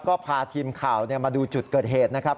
ก็พาทีมข่าวมาดูจุดเกิดเหตุนะครับ